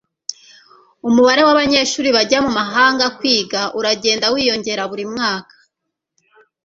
umubare wabanyeshuri bajya mumahanga kwiga uragenda wiyongera buri mwaka